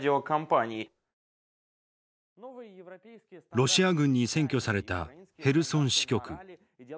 ロシア軍に占拠されたへルソン支局。